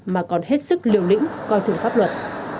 mà còn hết sức liều lĩnh coi thường pháp luật